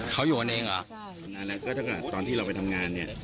เขาอยู่กันเองเหรอแล้วก็ถ้าเกิดตอนที่เราไปทำงานเนี่ย